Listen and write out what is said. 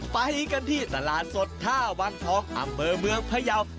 ไปกันที่ตลาดสดท่าวังทองอำเภอเมืองพยาว